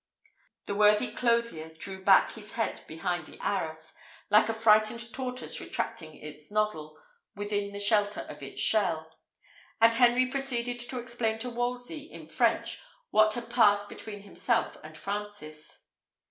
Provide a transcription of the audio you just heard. The worthy clothier drew back his head behind the arras, like a frightened tortoise retracting its noddle within the shelter of its shell; and Henry proceeded to explain to Wolsey, in French, what had passed between himself and Francis.